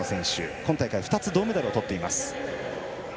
今大会２つ、銅メダルをとっています。